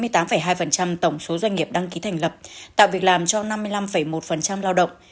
tổng số doanh nghiệp đăng ký thành lập tạo việc làm cho năm mươi năm một lao động